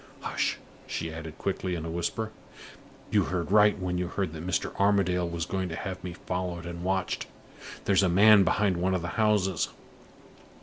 Hush!" she added quickly, in a whisper. "You heard right when you heard that Mr. Armadale was going to have me followed and watched. There's a man behind one of the houses.